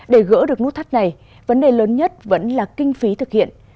để gỡ được nút thắt này vấn đề lớn nhất vẫn là kinh phí thực hiện